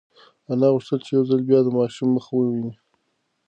انا غوښتل چې یو ځل بیا د ماشوم مخ وویني.